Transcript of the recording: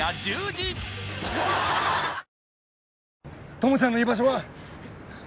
友ちゃんの居場所は？